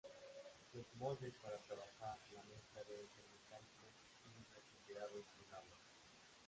Los moldes para trabajar la mezcla deben ser metálicos y refrigerados con agua.